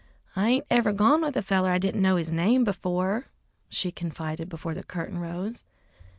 "I ain't ever gone with a feller that I didn't know his name before!" she confided before the curtain rose.